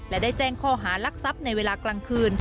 และได้แจ้งข้อหารักทรัพย์ในเวลากลางคืน